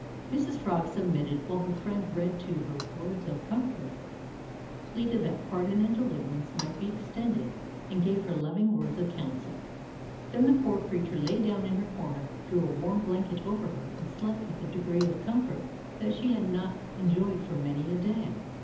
Mrs Frog submitted, while her friend read to her words of comfort; pleaded that pardon and deliverance might be extended, and gave her loving words of counsel. Then the poor creature lay down in her corner, drew a warm blanket over her, and slept with a degree of comfort that she had not enjoyed for many a day.